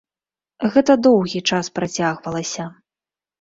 Гэта доўгі час працягвалася.